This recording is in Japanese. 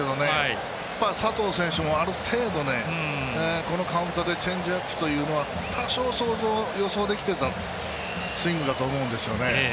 佐藤選手も、ある程度このカウントでチェンジアップというのは多少想像、予想できていたスイングだと思うんですよね。